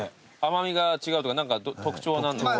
甘味が違うとか何か特徴。